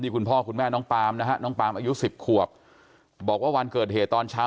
คุณพ่อคุณแม่น้องปามนะฮะน้องปามอายุ๑๐ขวบบอกว่าวันเกิดเหตุตอนเช้า